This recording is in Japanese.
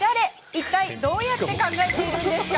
いったいどうやって考えてるんですか？